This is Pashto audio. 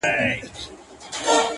یو صوفي یو قلندر سره یاران وه-